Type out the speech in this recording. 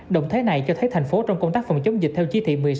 động thế này cho thấy thành phố trong công tác phòng chống dịch theo chí thị